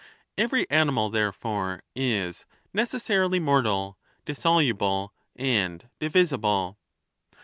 Every animal, there fore, is necessarily mortal, dissoluble, and divisible."